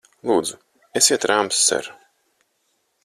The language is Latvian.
Lūdzu, esiet rāms, ser!